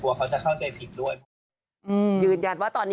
กลัวเขาจะเข้าใจผิดด้วย